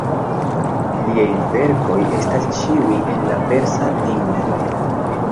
Liaj verkoj estas ĉiuj en la persa lingvo.